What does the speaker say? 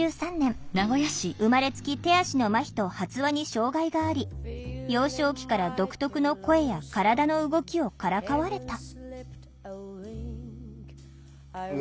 生まれつき手足のまひと発話に障害があり幼少期から独特の声や体の動きをからかわれた。